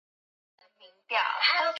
ambapo wanajeshi watiifu wa rais lauren badgo